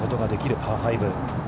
パー５。